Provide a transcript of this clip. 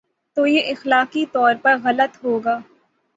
تو یہ اخلاقی طور پر غلط ہو گا۔